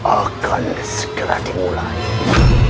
akan segera dimulai